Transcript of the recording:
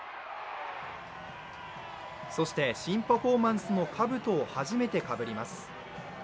そして新パフォーマンスのかぶとを初めてかぶります。